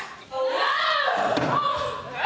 うわ！